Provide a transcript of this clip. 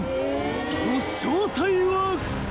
［その正体は］